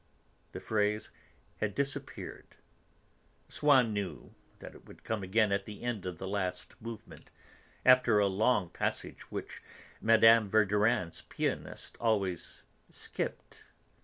The phrase had disappeared. Swann knew that it would come again at the end of the last movement, after a long passage which Mme. Verdurin's pianist always 'skipped.'